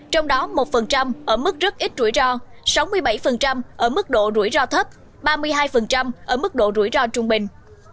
trong đó một ở mức rất ít rủi ro sáu mươi bảy ở mức độ rủi ro thấp ba mươi hai ở mức độ rủi ro trung bình